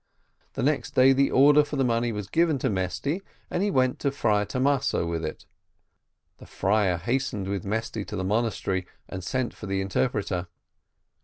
The next day the order for the money was given to Mesty, and he went to the Friar Thomaso with it. The friar hastened with Mesty to the monastery and sent for the interpreter.